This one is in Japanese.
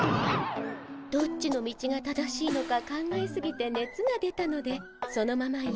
どっちの道が正しいのか考えすぎてねつが出たのでそのまま家に帰り